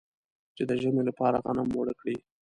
چې د ژمي لپاره غنم اوړه کړي.